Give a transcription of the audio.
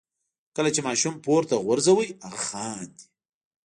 کله چې ماشوم پورته غورځوئ هغه خاندي.